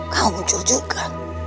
kau muncul juga